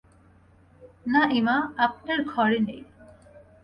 না, ইমা আপনার ঘরে নেই।